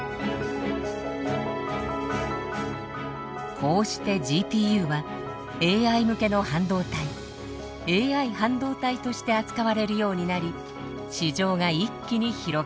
こうしてＧＰＵはＡＩ向けの半導体ＡＩ半導体として扱われるようになり市場が一気に広がりました。